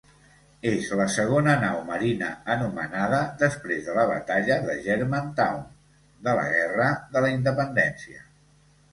És la segona nau marina anomenada després de la Batalla de Germantown de la Guerra de la Independència.